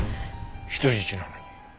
人質なのに。